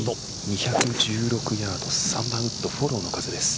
２１６ヤード３番ウッド、フォローの風です。